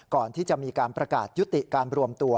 ก่อนที่จะมีการประกาศยุติการรวมตัว